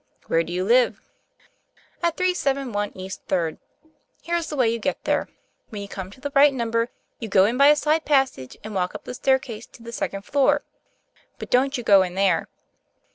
"Where do you live?" "At 371 East Third. Here's the way you get there. When you come to the right number, you go In by a side passage and walk up the staircase to the second floor. But don't you go in there.